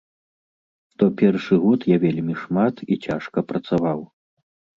То першы год я вельмі шмат і цяжка працаваў.